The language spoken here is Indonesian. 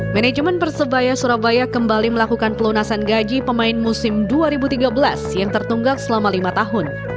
manajemen persebaya surabaya kembali melakukan pelunasan gaji pemain musim dua ribu tiga belas yang tertunggak selama lima tahun